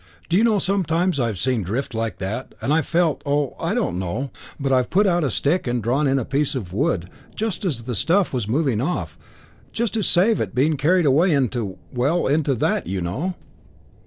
Do you know sometimes I've seen drift like that, and I've felt oh, I don't know. But I've put out a stick and drawn in a piece of wood just as the stuff was moving off, just to save it being carried away into well, into that, you know."